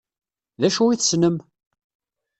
D acu i tessnem?